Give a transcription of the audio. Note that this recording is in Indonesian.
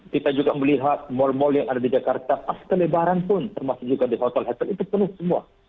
kita juga melihat mal mal yang ada di jakarta pas kelebaran pun termasuk juga di hotel hotel itu penuh semua